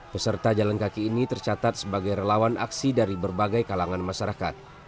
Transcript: peserta jalan kaki ini tercatat sebagai relawan aksi dari berbagai kalangan masyarakat